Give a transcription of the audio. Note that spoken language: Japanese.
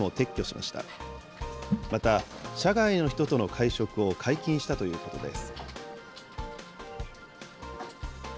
また、社外の人との会食を解禁したということです。